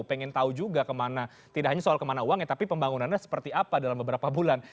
pengen tahu juga kemana tidak hanya soal kemana uangnya tapi pembangunannya seperti apa dalam beberapa bulan